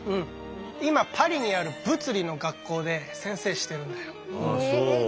今パリにある物理の学校で先生してるんだよ。